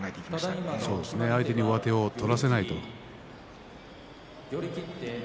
相手に上手を取らせないと。